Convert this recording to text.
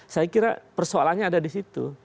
saya kira persoalannya ada di situ